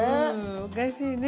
おかしいね。